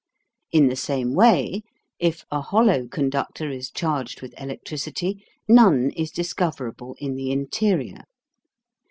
In the same way if a hollow conductor is charged with electricity, none is discoverable in the interior.